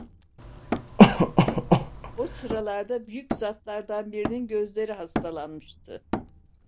O sıralarda büyük zatlardan birinin gözleri hastalanmıştı.